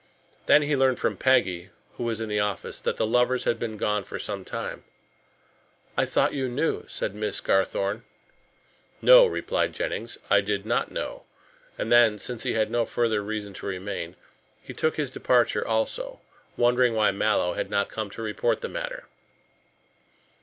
Then he learned from Peggy, who was in the office, that the lovers had been gone for some time "I thought you knew," said Miss Garthorne. "No," replied Jennings, "I did not know," and then, since he had no further reason to remain, he took his departure also, wondering why Mallow had not come to report the matter.